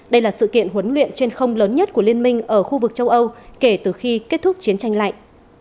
đây là sự kiện huấn luyện trên không lớn nhất của liên minh ở khu vực châu âu kể từ khi kết thúc chiến tranh lạnh